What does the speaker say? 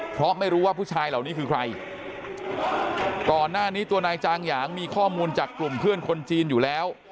เพราะไม่รู้ว่าผู้ชายเหล่านี้คือใครก่อนหน้านี้ตัวนายจางหยางมีข้อมูลจากกลุ่มเพื่อนคนจีนอยู่แล้ว